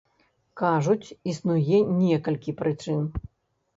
Кажуць, існуе некалькі прычын.